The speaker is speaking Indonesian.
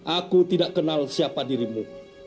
aku tidak kenal siapa dirimu